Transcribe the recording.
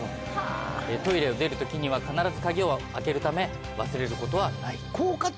トイレを出る時には必ず鍵を開けるため忘れることはない。